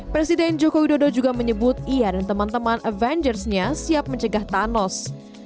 presiden jokowi dodo juga menyebut ia dan teman teman avengers nya siap mencegah thanos